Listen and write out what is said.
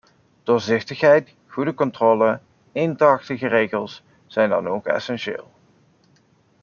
Doorzichtigheid, goede controle, eendrachtige regels zijn dan ook essentieel.